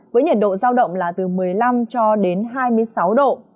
với nhiệt độ giao động là từ một mươi năm cho đến hai mươi sáu độ